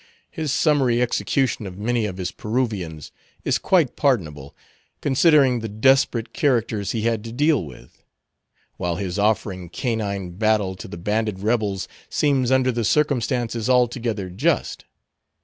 His summary execution of many of his Peruvians is quite pardonable, considering the desperate characters he had to deal with; while his offering canine battle to the banded rebels seems under the circumstances altogether just.